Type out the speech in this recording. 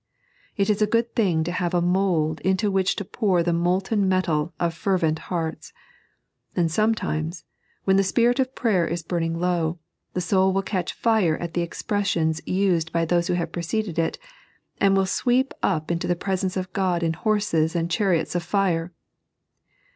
It is a good thing to have a mould into which to pour the molten metal of fervent hearts. And sometimes, when the spirit of prayer is burning low, the soul will catch fire at the expressions used by those who have preceded it, and will sweep up into the presence of God in horses and chaxiote of fire.